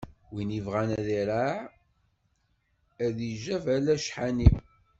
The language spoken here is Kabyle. Win ibɣan ad iraɛ, ad d-ijab ala ccḥani.